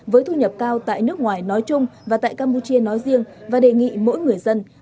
với thu nhập cao tại nước ngoài nói chung và tại campuchia nói riêng và đề nghị mỗi người dân